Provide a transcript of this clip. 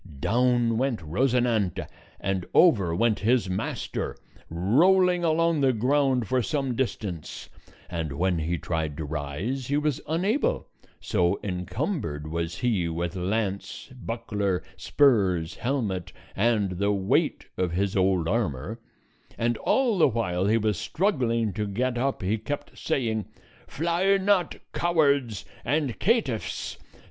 Down went Rosinante, and over went his master, rolling along the ground for some distance; and when he tried to rise he was unable, so incumbered was he with lance, buckler, spurs, helmet, and the weight of his old armor; and all the while he was struggling to get up, he kept saying, "Fly not, cowards and caitiffs!